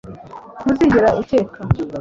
Ntuzigera ukeka